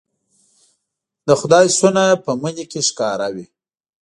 د خدای صنع په مني کې ښکاره وي